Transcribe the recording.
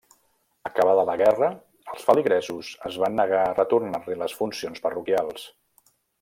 Acabada la guerra els feligresos es van negar a retornar-li les funcions parroquials.